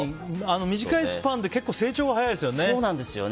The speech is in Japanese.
短いスパンで結構、成長が早いですよね。